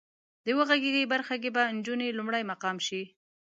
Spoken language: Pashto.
د وغږېږئ برخه کې به انجونې لومړی مقام شي.